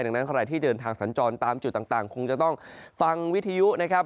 ดังนั้นใครที่เดินทางสัญจรตามจุดต่างคงจะต้องฟังวิทยุนะครับ